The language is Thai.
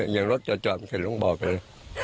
อย่างรถจอดจอดเสร็จลงบ่อไป